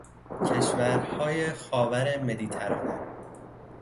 کشورهای خاور مدیترانه